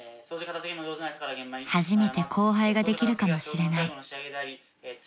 ［初めて後輩ができるかもしれない］